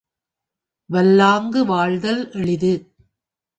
வல்லாங்கு வாழ்தல் எளிது.